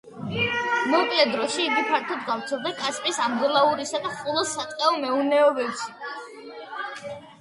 მოკლე დროში იგი ფართოდ გავრცელდა კასპის, ამბროლაურისა და ხულოს სატყეო მეურნეობებში.